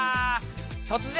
「突然！